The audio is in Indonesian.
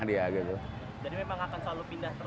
jadi memang akan selalu pindah terus